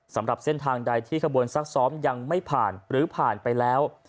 สำหรับเส้นทางใดที่ขบวนซักซ้อมยังไม่ผ่านหรือผ่านไปแล้ว